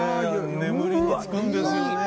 眠りに就くんですよね。